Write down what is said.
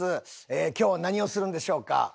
今日は何をするんでしょうか？